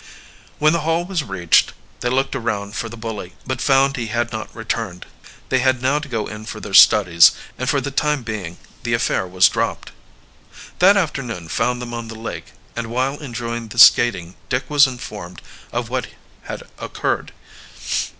When the Hall was reached they looked around for the bully, but found he had not returned. They had now to go in for their studies, and for the time being the affair was dropped. That afternoon found them on the lake, and while enjoying the skating Dick was informed of what had occurred.